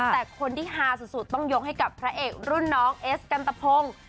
แต่คนที่ฮาสุดต้องยกให้กับพระเอกรุ่นน้องเอสกันตะพง